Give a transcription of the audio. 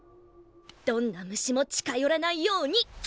どんな虫も近寄らないように。